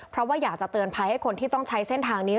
เพราะว่าอยากจะเตือนภัยให้คนที่ต้องใช้เส้นทางนี้